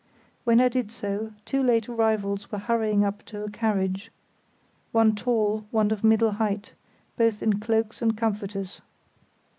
When I did so two late arrivals were hurrying up to a carriage—one tall, one of middle height; both in cloaks and comforters.